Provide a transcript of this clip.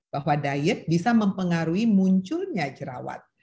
bahwa diet bisa mempengaruhi munculnya jerawat